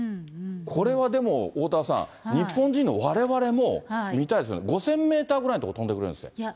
これはでも、おおたわさん、日本人のわれわれも見たいですよね、５０００メーターぐらいの所飛んでくれるんですよね。